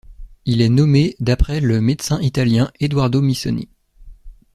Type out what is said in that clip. Il est nommé d'après le médecin italien Eduardo Missoni.